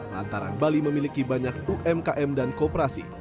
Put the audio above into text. lantaran bali memiliki banyak umkm dan kooperasi